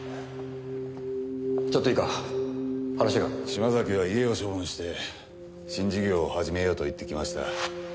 島崎は家を処分して新事業を始めようと言ってきました。